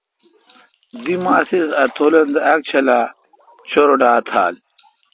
دی ماس اِس اتولن دہ اک چھلا چُرڈھا تھال۔